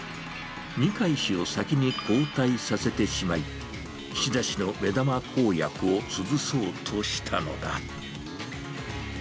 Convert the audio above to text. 二階氏を先に交代させてしまい、岸田氏の目玉公約を潰そうとしたのだ。